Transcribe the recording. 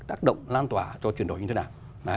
tác động lan tỏa cho chuyển đổi như thế nào